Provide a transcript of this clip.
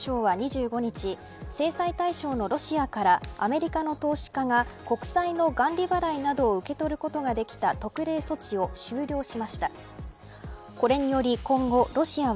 ロイター通信によりますとアメリカ財務省が２５日制裁対象のロシアからアメリカの投資家が国債の元利払いなどを受け取ることができた特例措置を終了しました。